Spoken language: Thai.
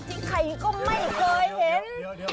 ที่ใครก็ไม่เคยเห็น